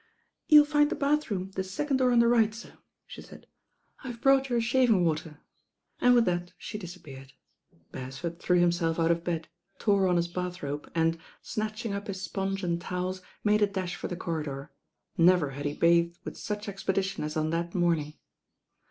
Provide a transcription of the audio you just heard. "You'll find the bath room the second door on the rig^t, sir," she said. "I've brought your shaving water," and with that she disappeared. Beresford threw himself out of bed, tore on his bath robe and, snatching up his sponge and towels, made a dash for the corridor. Never had he bathed with such expedition as on that morning.